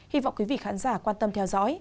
hy vọng quý vị khán giả quan tâm theo dõi